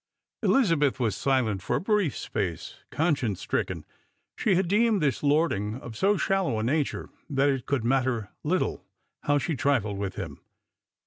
Elizabeth was silent for a brief space, conscience stricken. She had deemed this lordang of so shallow a nature that it could matter little how she tritied with him.